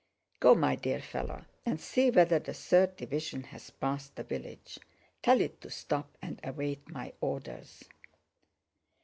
"Go, my dear fellow, and see whether the third division has passed the village. Tell it to stop and await my orders."